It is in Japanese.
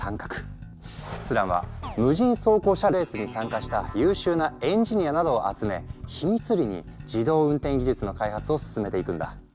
スランは無人走行車レースに参加した優秀なエンジニアなどを集め秘密裏に自動運転技術の開発を進めていくんだ。